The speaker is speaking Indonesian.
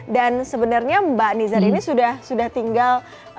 dan sebenarnya mbak nizar ini sudah tinggal